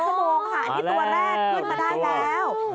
ที่ตัวแรกขึ้นมาได้แล้ว